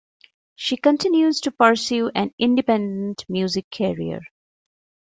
She continues to pursue an independent music career.